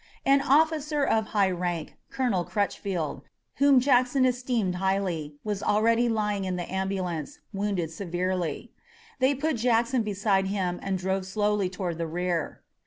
An officer of high rank, Colonel Crutchfield, whom Jackson esteemed highly, was already lying in the ambulance, wounded severely. They put Jackson beside him and drove slowly toward the rear.